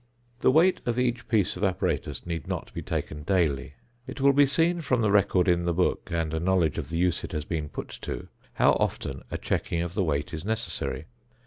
The weight of each piece of apparatus need not be taken daily. It will be seen from the record in the book and a knowledge of the use it has been put to how often a checking of the weight is necessary.